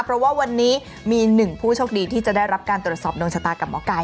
เพราะว่าวันนี้มีหนึ่งผู้โชคดีที่จะได้รับการตรวจสอบดวงชะตากับหมอไก่